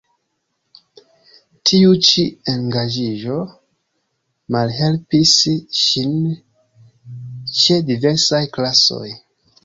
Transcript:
Tiu ĉi engaĝiĝo malhelpis ŝin ĉe diversaj klasoj.